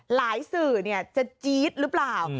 สื่อจะจี๊ดหรือเปล่า